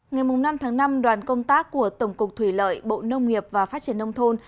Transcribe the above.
ngày năm tháng năm đoàn công tác của tổng cục thủy lợi bộ nông nghiệp và phát triển nông thôn